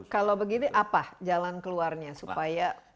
kalau begini apa jalan keluarnya supaya